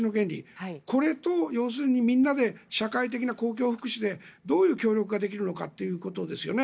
これと、要するにみんなで社会的な公共福祉でどういうことができるかということですね。